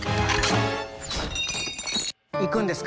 行くんですか？